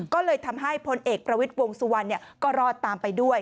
ก็เลยทำให้พลเอกประวิทย์วงสุวรรณก็รอดตามไปด้วย